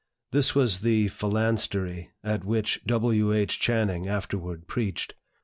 This was the "Phalanstery" at which W. H. Channing afterward preached.